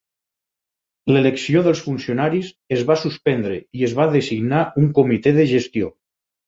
L'elecció dels funcionaris es va suspendre i es va designar un comitè de gestió.